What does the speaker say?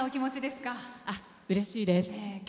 うれしいです。